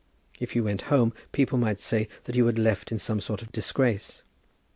If you went home, people might say that you had left in some sort of disgrace.